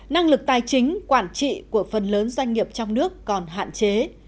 năng lực tài chính quản trị của phần lớn doanh nghiệp trong nước còn hạn chế